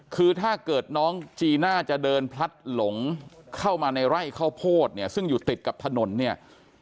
คือถ้าเกิดน้องจีน่าจะเดินพลัดหลงเข้ามาในไร่ข้าวโพดเนี่ยซึ่งอยู่ติดกับถนนเนี่ย